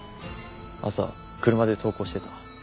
朝車で登校してた。